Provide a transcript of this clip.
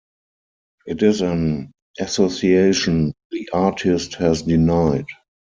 It is an association the artist has denied.